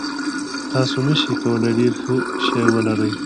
تاسو نشئ کولی ډیر ښه شی ولرئ.